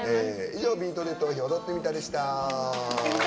以上「ビートＤＥトーヒ」踊ってみた！でした。